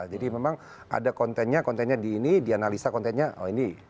jadi memang ada kontennya kontennya di ini dianalisa kontennya oh ini